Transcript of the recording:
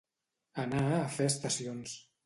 Anar a fer estacions.